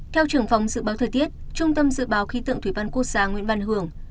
theo trưởng phòng dự báo thời tiết trung tâm dự báo khí tượng thủy văn quốc gia nguyễn văn hưởng